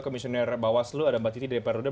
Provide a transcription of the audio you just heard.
komisioner bawaslu ada mbak citi dpr udam